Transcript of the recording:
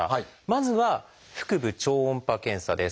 まずは「腹部超音波検査」です。